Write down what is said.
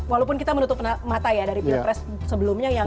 walaupun kita menutup mata ya dari pilpres sebelumnya